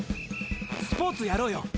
スポーツやろうよ。